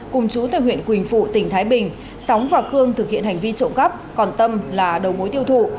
cùng chú tại huyện quỳnh phụ tỉnh thái bình sóng và khương thực hiện hành vi trộm cắp còn tâm là đầu mối tiêu thụ